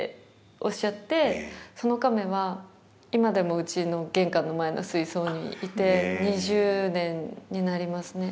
その亀は今でもうちの玄関の前の水槽にいて２０年になりますね。